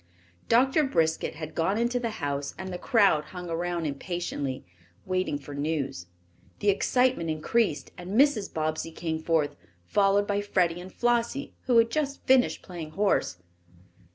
Doctor Briskett had gone into the house and the crowd hung around impatiently, waiting for news. The excitement increased, and Mrs. Bobbsey came forth, followed by Freddie and Flossie, who had just finished playing horse.